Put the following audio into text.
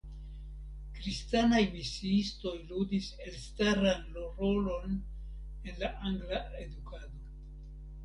Kristanaj misiistoj ludis elstaran rolon en la angla edukado.